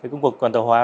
công cuộc toàn cầu hóa